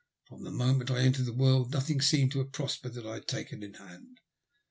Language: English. From the moment I entered the world nothing seemed to have prospered that I had taken in hand.